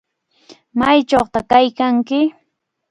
¿Maychawtaq kaykanki?